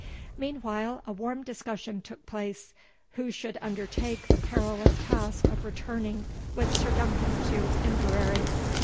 Meanwhile a warm discussion took place, who should undertake the perilous task of returning with Sir Duncan to Inverary.